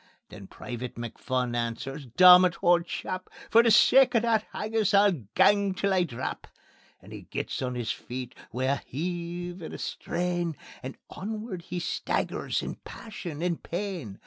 Then Private McPhun answers: "Dommit, auld chap! For the sake o' that haggis I'll gang till I drap." And he gets on his feet wi' a heave and a strain, And onward he staggers in passion and pain.